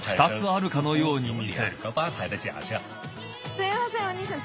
すいませんお兄さん